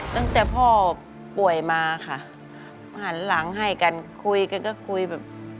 ตั้งแต่พ่อป่วยมาค่ะหันหลังให้กันคุยกันก็คุยแบบ